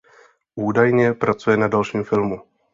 Údajně pracuje na dalším filmu.